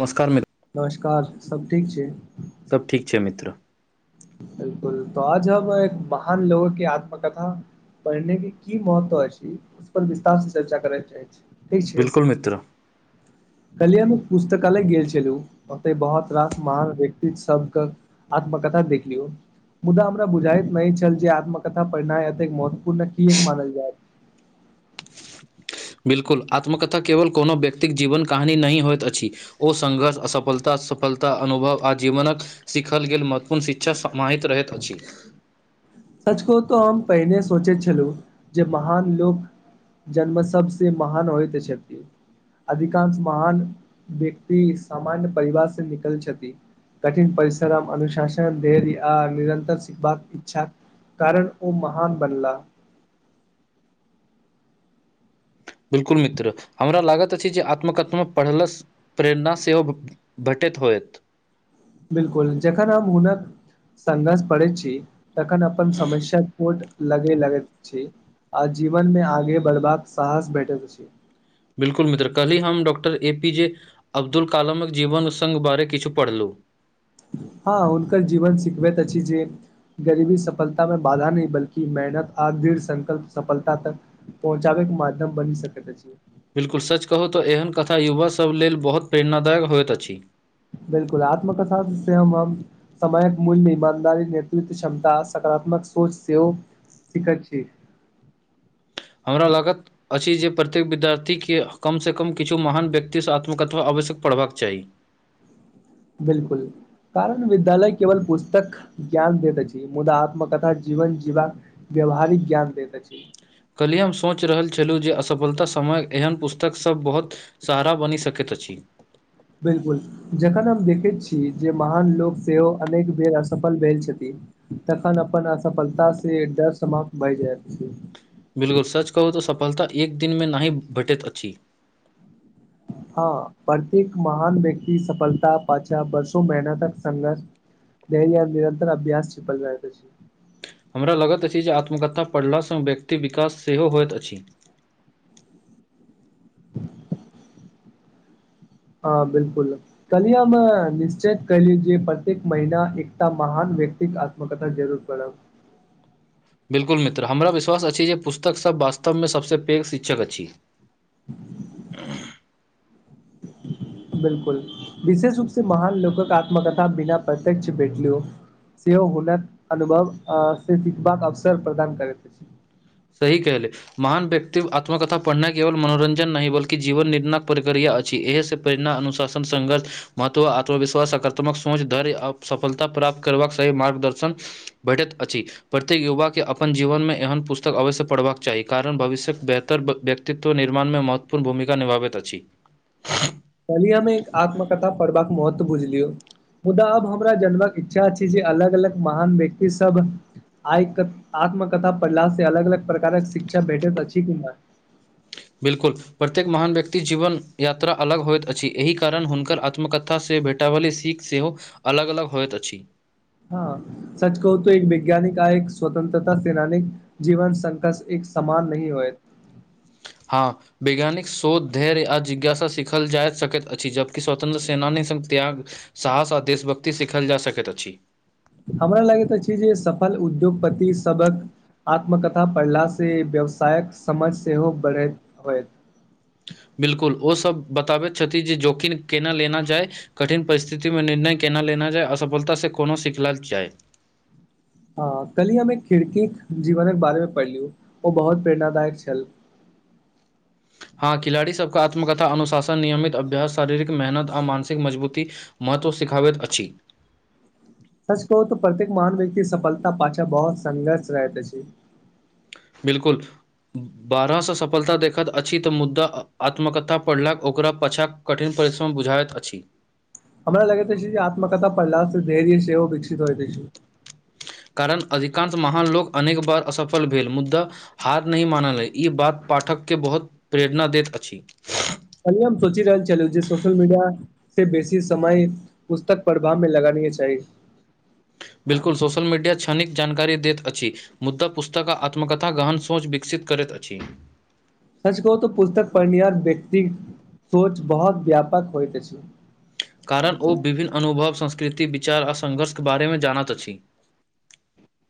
नमस्कार मित्र नमस्कार सभ ठीक छी सभ ठीक छै मित्र बिल्कूल त आज हम एक महान लोगके आत्मा कथा पढ़ने के की महत्व अछि उसपर विस्तार से चर्चा करय चाहै छै बिल्कुल मित्र। काल्हि हम पुस्तकालय गेल छलहुँ ओतय बहुत रास महान व्यक्तित्वस के आत्मकथा देखलियौ मुदा हमरा बुझाइत नहि छल जे आत्मकथा पढ़नाइ एतेक महत्त्वपूर्ण किएक मानल जाइत छै बिल्कुल आत्मकथा केवल कोनो व्यक्तिक जीवनक कहानी नहि होइत अछि ओ संघर्ष असफलता सफलता अनुभव आ जीवनक सीखल गेल महत्वपूर्ण शिक्षा समाहित रहैत अछि सच कहू तऽ हम पहिने सोचैत छलहुँ जे महान लोक जन्म सबसे महान होइत छथि अधिकांश महान व्यक्ति सामान्य परिवार से निकल छथि कठिन परिश्रम अनुशासन धैर्य आ निरन्तर सिखबाक इच्छा कारण ऊ महान बनलाह बिल्कुल मित्र हमरा लागत अछि जे आत्मकथ्म पढ़लस प्रेरणा सेहो भेटैत होयत बिलकुल जखन हम हुनक संघर्ष पढ़ै छी तखन अपन समस्या छोट लगै लगैत छै आ जीवनमे आगाँ बढ़बाक साहस भेटैल अछि बिलकुल मित्र काल्हि हम डॉक्टर ए पी जे अब्दुल कलामक जीवन संग बारे किछु पढ़लू हँ हुनकर जीवन शिखबैत अछि जे गरीबी सफलता मे बाधा नहि बलकि मेहनत आ दृढ़ संकल्प सफलता तक पहुँचाबै के माध्यम बनी सकैत अछि। बिलकुल सच कहू तऽ एहन कथा युवासभ लेल बहुत प्रेरणादायक होयत अछि बिलकुल आत्मकथा से हम समयक मूल्य मे ईमानदारी नेतृत्व क्षमता सकारात्मक सोच सेहो सिखैत छी हमरा लागत अछि जे प्रत्येक विद्यार्थी के कम से कम किछु महान व्यक्तिसँ आत्मकथा आवश्य पढ़बाक चाही बिलकुल कारण विद्यालय केवल पुस्तक ज्ञान दैत अछि मुदा आत्मकथा जीवन जीवाक व्यवहारिक ज्ञान देैत अछि कैल्हि हम सोचि रहल छलहुँ जे असफलता समय एहन पुस्तक सब बहोत सहारा बनी सकैत अछि बिलकुल जखन हम देखैत छी जे महान लोक सेहो अनेक बेर असफल भेल छथि तखन अपन असफलता से डर समाप्त भए जायत छी बिलकुल सच कहू तऽ सफलता एक दिन मे नाही भेटैत अछि हँ प्रत्येक महान व्यक्ति सफलता पाछा बर्सो मेहनतक संघर्ष धैर्य आ निरतर अभ्यास छीपल रहैत अछि हमरा लगत अछि जे आत्मकथा पढ़ला सँ व्यक्ति विकास सेहो होयत अछि हँ बिलकुल कल्ही हम निश्चित करली जे प्रत्येक महिला एकटा महान व्यक्तिक आ [unintelligible] जरुर पढ़ब बिलकुल मित्र हमरा विश्वास अछि जे पुस्तक सब वास्तव मे सभसँ पेघ शिक्षक अछि बिलकुल विशेष रूप से महान लोकक आत्मकथा बिना प्रत्यक्ष भेटलो सेहो हुनक अनुभव अ से सिखबाक अवसर प्रदान करैत अछि सही कहले महान व्यक्ति आत्मकथा पढ़नाइ केवल मनोरञ्जन नहि बलकि जीवन निर्णक प्रक्रिया अछि एहि से प्रेरणा अनुशासन संघर्ष महत्व आत्मविश्वास सकारात्मक सोच धर आ सफलता प्राप्त करबाक सही मार्गदर्शन भेटैत अछि प्रत्येक युवा के अपन जीवन मे एहन पुस्त तक अवश्य पढ़बाक चाही कारण भविष्यक बेहतर व्यक्तित्व निर्माण मे महत्वपूर्ण भूमिका निभाबैत अछि कहलिय हमे एक आत्मकथा पढ़बाक महत्व बुझलियौ मुदा अब हमरा जन्मक इच्छा छै जे अलग अलग महान व्यक्ति सब आय क आत्मकथा पढ़लास से अलग अलग प्रकारक शिक्षा भेटैत अछि की नहि बिल्कुल प्रत्येक महान व्यक्ति जीवन यात्रा अलग होयइत अछि एहि कारण हुनकर आत्मकथा से भेट [unintelligible] सीख सेहो अलग अलग होयइत अछि हँ सच कहू तऽ एक वैज्ञानिक आ एक स्वतंत्रता सेनानी जीवन [unintelligible] समान नहि होय हँ वैज्ञानिक शोध धैर्य आ जिज्ञासा सिखल जा सकैत अछि जबकि स्वतन्त्र सेनानी सन त्याग साहस आ देशभक्ति सिखल जा सकैत अछि हमरा लागैत अछि जे सफल उद्योगपति सबहक आत्मकथा पढ़ला से व्यवसायक समझ सेहो बढ़ैत होत बिल्कुल ओ सभ बताबैत छथिन जे जोखिम केना लेना जाय कठिन परिस्थिति मे निर्णय केना लेना जाय असफलता से कोनो सिखलाक जाय ह कली हम एक खिड़की जीवनक बारे मे पढ़लिय ओ बहुत प्रेरणादायक छल हँ खिलाड़ी सबके आत्मकथा अनुशासन नियमित अभ्यास शारीरिक मेहनत आ मानसिक मजबूती महत्व सिखावैत अछि सच कहू तऽ प्रत्येक महान व्यक्ति सफलता पाछा बहुत संघर्ष रहत अछि बिलकुल बारहसँ सफलता देखैत अछि तऽ मुद्दा आत्मकथा पढ़लक ओकरा पाछाँ कठिन परिश्रम बुझाइत अछि हमरा लागित अछी जे आत्मकथा पड़हलास से धर्य सेहो ओ विकसित होइत अछि कारण अधिकांश महान लोक अनेक बार असफल भेल मुद्दा हार नहि मानल है ई बात पाठक के बहुत प्रेरणा दैत अछि काल्हि हम सोचि रहल छलहु जे सोशल मीडिया से बेसी समय पुस्तक प्रभावमे लगानी चाही बिल्कुल सोशल मीडिया क्षनिक जानकारी देत अछि मुद्दा पुस्तक आत्मकथा गहन सोच विकसित करैत अछि सच कहू तऽ पुस्तक पढ़निहार व्यक्ति सोच बहुत व्यापक होइत अछि कारण ओ विभिन्न अनुभव संस्कृति विचार आ सङ्घर्षके बारेमे जानैत अछि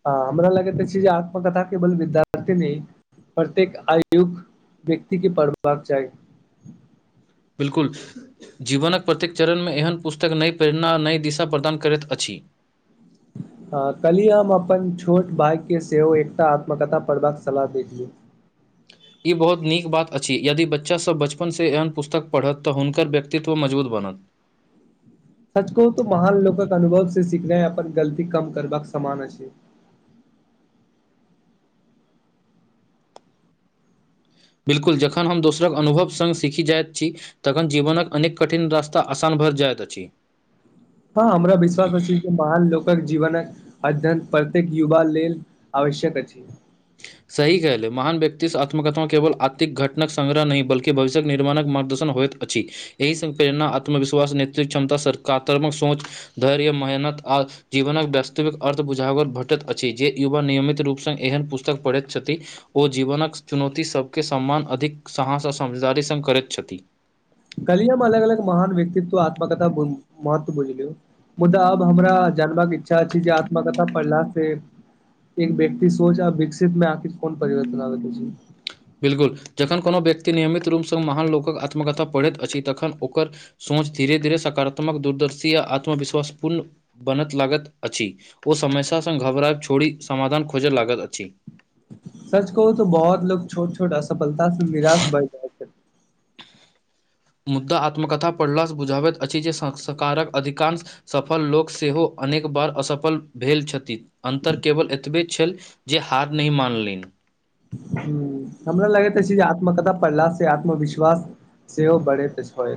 आ हमरा लगैत छी जे आत्मकथा केवल विद्यार्थी नहि प्रत्येक आयु व्यक्ति के पढ़बाक चाही बिलकुल जीवनक प्रत्येक चरणमे एहन पुस्तक नहि प्रेरणा आ नहि दिशा प्रदान करैत अछि कहलीअ हम अपन छोट भायके सेहो एकटा आत्मकथा पढ़बाक सलाह देतियै ई बहुत नीक बात अछि यदि बच्चा सब बचपन से एहन पुस्तक पढ़त तऽ हुनकर व्यक्तित्व मजबूत बनत सच कहू तो महान लोकक अनुभव से सीखै अपन गलती कम करबाक समान अछि बिल्कुल जखन हम दोसरक अनुभव संग सीखी जाइत छी तखन जीवनकक अनेक कठिन रास्ता असानभर जायत अछि हँ हमरा विश्वास अछी महान लोकक जीवनक अध्ययन प्रत्येक युवा लेल आवश्यक अछि सही कहले महान व्यक्तिसँ आत्मकथा केवल आर्थिक घटक संग्रह नहि बल्कि भविष्यक निर्माणक मार्गदर्शन होयत अछि एहि स प्रेरणा आत्मविश्वास नेतृिक क्षमता सकारात्मक सोच। धैर्य मेहनत आ। जीवनक वास्तविक अथि बुझावल भेटैत अछि जे युवा नियमित रूपसँ एहन पुस्तक पढ़ैत छथि ओ जीवनक चुनौती सभके सम्मान अधिक साहस आ समझदारी सघ करैत छथि कलियामे अलग अलग महान व्यक्तित्व आत्मकथा महत्व बूझलौ। मुदा आब हमरा जानबाक इच्छा छै जे आत्मकथा पढ़ला सँ एक व्यकति शो छै आ विकसित मे आखी कोन परिवर्तन आ बिल्कूल जखन कोनो व्यक्ति नियमित रूपसँ महान लोक आत्मकथा पढ़ैत अछि तखन ओकर सोच धीरे धीरे सकारात्मक दूरदर्शी य आत्मविश्वास पूर बनत लागत अछि ओ समस्या सँ घबराब छोड़ि समाधान खोज लागत अछि। सच कहू तो बहुत लो छोट छोट असफलता से निराश बए मुदा आत्मकथा पढ़लासँ बुझाबैत अछि जे संस्कारक अधिकांश सफल लोक सेहो अनेक बार असफल भेल छथिन अन्तर केवल एतबे छल। जे हार नहि मानलेनय ह हमरा लगैत अछि जे आत्म कतऽ पड़ला से आत्मविश्वास सेहो बढ़ैत अछि।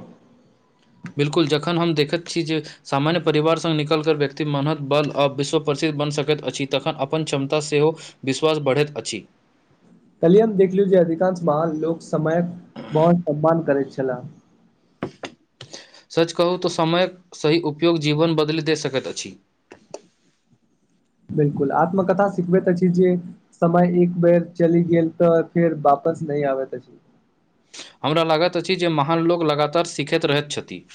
बिल्कूल जखन हम देखैत छी जे सामान्य परिवार संघ निकलिक व्यक्ति माननत बल आ विश्व प्रसिद्ध बनि सकैत अछि तखन अपन क्षमता सेहो विश्वास बढ़ैत अछि। कहलियए हम देखलियू जे अधिकांश महान लोक समयक बत सम्मान करैत छलाह। सच कहू त समयक सही उपयोग जीवन बदलि दे सकैत अछि बिल्कूल आत्मकथा सिखबैत अछि जे समय एक बेर चलि गेल तऽ फेर वापस नहि आब। हमरा लागैत अछि जे महान लोको लगातार सिखैत रहैत छथिन।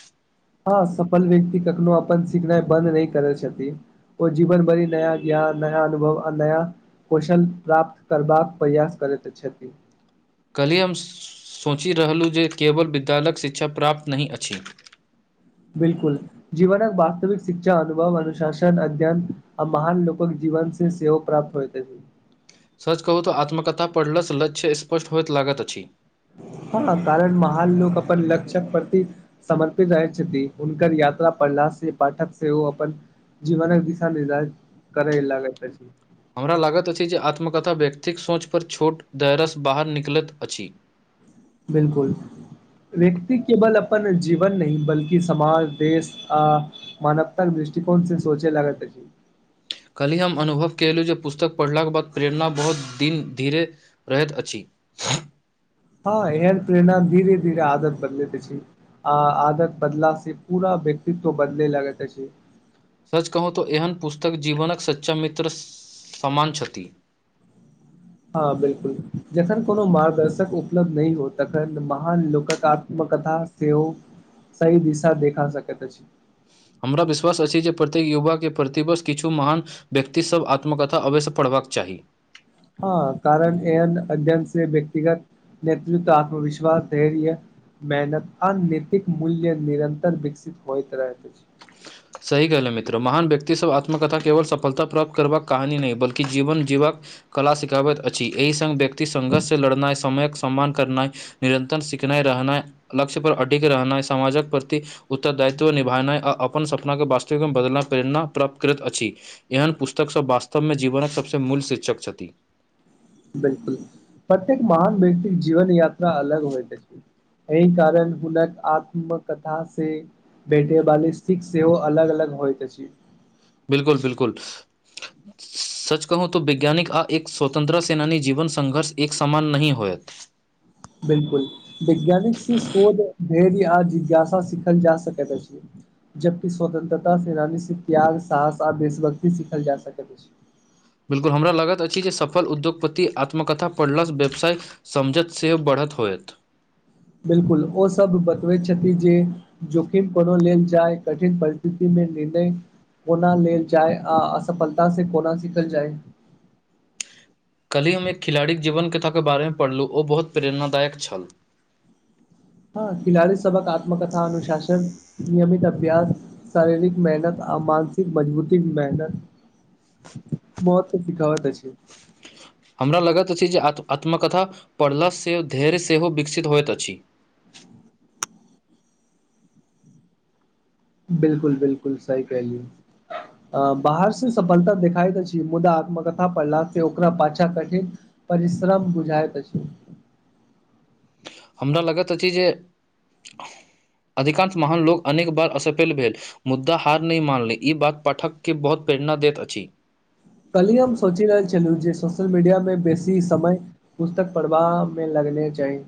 ह सफल व्यक्त कखनो अपन सिखनाइ बन्द नै करै छथिक ओ जीवन भरि नया ज्ञान नया अनुभव आ नया। कौशल प्राप्त करबाक प्रयास करैत छथि। कल्हि हम सोचि रहलहुँ जे केवल विद्यालयक शिक्षा प्राप्त नहि अछि। बिल्कूल जीवनक वास्तविक शिक्षा अनुभव अनुशासन अध्ययन आ महान लोक जीवन से सेहोव प्राप्त होयते सच कहू तऽ आत्मकथा पढ़लसँ लक्ष्य स्पष्ट होयइत लागैत अछि। ह कारण महान लोक अपन ल्षक प्रति समर्पित रहैत छथि हुनकर यात्रा पढ़ला से पाठक से ओ अपन। जीवन दिशा दश करै लागै प हमरा लागैत अछि जे आत्मकथा व्यक्तिक सोचपर छोट दयरसँ बाहर निकलैत अछि। बिल्कुल। व्यक्ति केवल अपन जीवन नै बल्कि समाज देश आ मनवताक दृष्टिकोण से सोचे लगती। कलहि हम अनुभव केलहुँ जे पुस्तक पढ़ला के बाद प्रेरणा बहुत दिन धीरे रहैत अछि। हँ एर प्रेरणा धीरे धीरे आदत बदल छी आ आदत बदला से पूरा व्यक्तित्व बदले लागैत छै। सच कहू तऽ एहन पुस्तक जीवनक सच्चा मित्र समान छथिष हँ बिल्कूल जखन कोनो मार्गदर्शक उपलब्ध नहि होत तखन महान लोककात्मकथा से ओ सह दिशा देखा सकैत अछि। हमरा विश्वास अछि जे प्रत्येक युवाके प्रतिवश किछु महान। व्यक्तिसभ आत्मकथा अव्यसँ पढ़बाक चाही। ह कारण एहन अध्ययन से व्यक्तिगत नेतृत्व आत्मविश्वास धैर्य मेहनत आ नतिक मूल्य निरन्तर विकसित होइत रहत छै। सही कहल मित्र महान व्यक्तिसभ आत्मकथा केवल सफलता प्राप्त करबाक कहानी नहि बिल्कूल जीवन जीवबाक कला सिखाबैत अछि एहि संघ व्यक्ति संघर्ष से लड़नाइ समयक सम्मान करनाइ निरन्तर सिखनाइ रहनाइ लक्ष्य पर अधिक रहनाइ समामाजक प्रति उत्तर दायित्व निभानाइ आ अपन स अपना के वास्तविकमे बदलना प्रेरणा प्राप्त करैत अछि एहन पुस्तक सभ वास्तवमे जीवनक सभसँ मूल शीर्षक छथिन बिल्कूल प्रत्येक महान व्यक्ति जीवन यात्रा अलग होइ। एहि कारण हुनक आत्मकथा स बेटे वाली सिक सेहो अलग अलग होइ त छै बिल्कुल बिल्कुल। ह। सच कहू त वैज्ञानिक आ एक स्वतन्त्र सेनाी जीवन संघर्ष एक सामन नहि होयत। बिल्कूल वैज्ञानिक से शोध धैर्य आ जिज्ञासा सिखल जा सकैत अछि जबक स्वतंत्रता सेनानी से त्याग सस आ देशभक्ति सिखल जा सकैत अछि। बिल्कूल हमरा लागैत अछि जे सफल उद्योगपति आत्मकथा पढ़लासँ व्यवसाय समझत से बढ़त होयत। बिल्कुल ओसभ बतबैत छथिन जे। जोखिम कोनो लेलऽ जाय कठिन परिस्थिति मे निर्णय। कोना लेलऽ जाय आ असफलता से कोना सिखल जाय क्हि हम एक खिलाड़ीके जीवन कथा के बारेमे पढ़लहुँ ओ बहुत प्रेरणादायक छल हँ खिलाड़ी सभक आत्मकथा अनुशासन नियमित अभ्यास शरारिक मेहनत आ मानसिक मजबूती मेहनत। बहुत तऽ शिखबै छै हमरा लगैत अछि जे आ आत्मकथा पढ़लासँ धैर्य सेहो विकसित होइत अछि बिल्कूल बिल्कूल सही कहलियौ बाहर से सफलता देखाइत अछि मुदा आत्मकथा पढ़ला से ओकरा पाछा कठिन परिश्रम बुझाइत अछि हमरा लगैत अछि जे अधिकांश महान लोको अनेक बार असफेल भे मुद्दा हार नहि मानले ई बात पाठ के बहुत प्रेरणा देत अछि कल हम सोचि रहल छलहुँ जे सोशल मीडियामे बेसी समय पुस्तक पढ़बा मे लगने चाही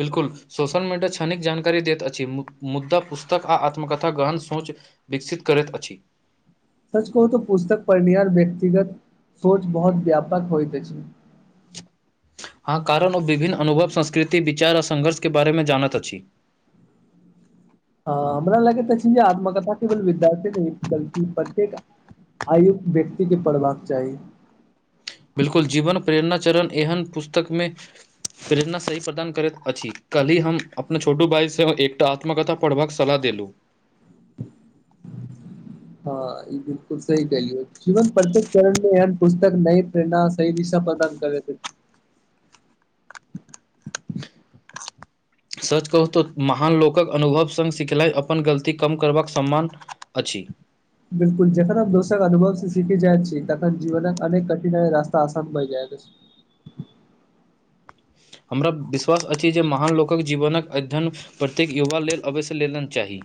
बिल्कूल सोशियल मीडिया छनिक जानकारी दैत अछि मुद्दा पुस्तक अ आत्मकथा ग्रहण सोच विकसित करैत अछि। सच कहू त पुस्तक पढ़निहार व्यक्तिगत सोच बहुत व्यापक होइत अछि अहा कारण ओ विभिन्न अनुभव संस्कृति विचार आ संघर्षके बारेमे जानैत अछि हमरा लगैत छै जे आत्मकथा केवल विद्यार्थी नहि बल्कि प्रत्येक आयु व्यक्तिके पढ़बाक चाही। बिल्कूल जीवन प्रेरणा चरण एहन पुस्तकमे प्रेरणा सही प्रदान करैत अछि कलहि हम अपना छोटू भाइ सेहो एक। आत्मकथा पढ़बाक सलाह देलहुँ। हँ ई बिल्कूल सही कहल जीवन परत चणमे य पुस्तक नहि प्ररणा सह दिशा पदान करतै सच कहू महान लोकक अनुभव संघ सिखलाइ अपन गलती कम करबाक सम्मान अछि। बिल्कूल जखन हम दोसक अनुभव से सीखी जाइत छी तखन जीवनक अनेक कठिनाइ रास्ता आसान भऽ जाइत हमरा विश्वास अछि जे महान लोक जीवनक अध्ययन प्रत्येक युवा लेलऽ अवश्य लेलन चाही